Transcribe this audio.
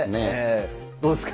どうですか？